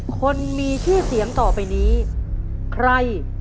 คนมีชื่อเสียงต่อไปนี้ใคร